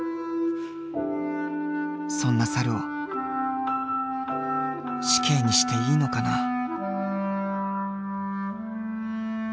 そんな猿を死刑にしていいのかな。